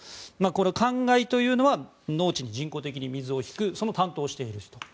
これ、かんがいというのは農地に人工的に水を引くその担当している人。